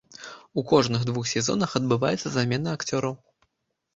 У кожных двух сезонах адбываецца замена акцёраў.